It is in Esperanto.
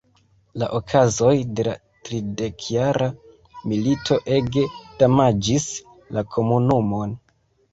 La okazoj de la Tridekjara milito ege damaĝis la komunumon.